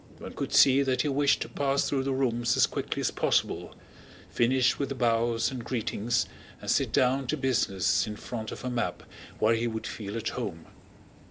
One could see that he wished to pass through the rooms as quickly as possible, finish with the bows and greetings, and sit down to business in front of a map, where he would feel at home.